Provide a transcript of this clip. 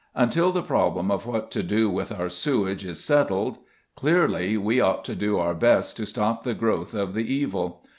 Until the problem of "What to do with our sewage?" is settled, clearly, we ought to do our best to stop the growth of the evil.